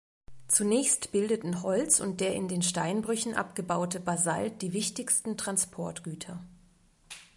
Zunächst bildeten Holz und der in den Steinbrüchen abgebaute Basalt die wichtigsten Transportgüter.